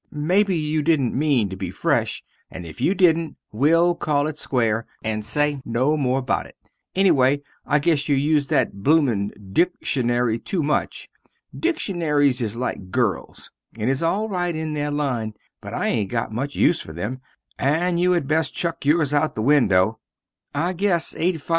Mebbe you didn't mene to be fresh and if you didnt will call it square and say no more about it, ennyway I guess you use that bloomin dickshunary two much. Dickshunaries is like girls and is al rite in there line, but I aint got much use fer them and you had best chuck yours out the window. I guess 85lbs.